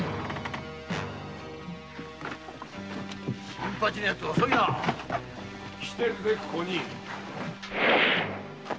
新八のヤツ遅いなぁ。来てるぜここに。